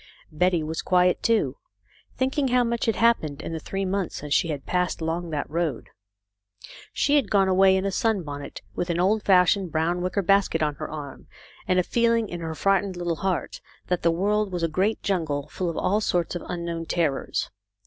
Betty was quiet, too, thinking how much had happened in the three months since she had passed along that road. She had gone away in a sunbonnet, with an old fashioned brown wicker basket on her arm, and a feeling in her frightened little heart that the world was a great jungle, full of all sorts of unknown terrors.